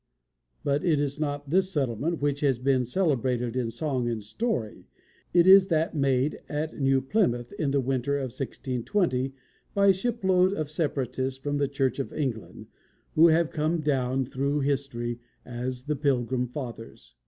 But it is not this settlement which has been celebrated in song and story. It is that made at New Plymouth in the winter of 1620 by a shipload of Separatists from the Church of England, who have come down through history as the "Pilgrim Fathers."